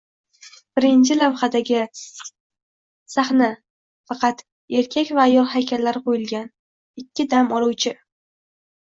Birinchi lavhadagi sahna. Faqat Erkak va ayol haykallari qo’yilgan. Ikki dam oluvchi.